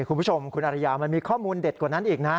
คุณผู้ชมคุณอริยามันมีข้อมูลเด็ดกว่านั้นอีกนะ